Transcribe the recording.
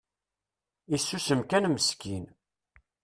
Isusem kan meskin.